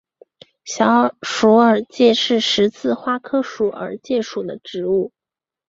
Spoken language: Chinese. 小鼠耳芥是十字花科鼠耳芥属的植物。